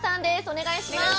お願いします。